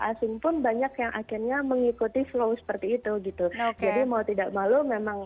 asing pun banyak yang akhirnya mengikuti flow seperti itu gitu jadi mau tidak malu memang